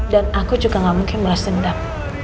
dan aku juga gak mungkin meras dendam